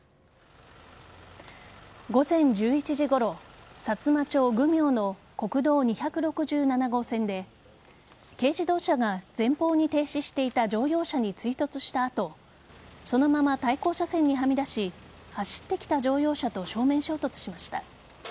午前１１時ごろさつま町求名の国道２６７号線で軽自動車が前方に停止していた乗用車に追突した後そのまま対向車線にはみ出し走ってきた乗用車と正面衝突しました。